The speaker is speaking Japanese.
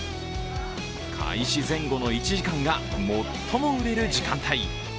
開始前後の１時間が最も売れる時間帯。